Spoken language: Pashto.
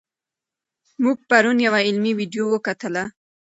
موږ پرون یوه علمي ویډیو وکتله.